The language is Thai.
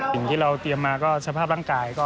สิ่งที่เราเตรียมมาก็สภาพร่างกาย